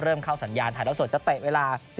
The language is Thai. เริ่มเข้าสัญญาณถ่ายแล้วสดจะเตะเวลา